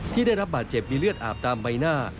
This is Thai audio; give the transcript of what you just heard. ได้รับบาดเจ็บมีเลือดอาบตามใบหน้า